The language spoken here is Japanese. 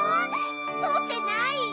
とってないよ！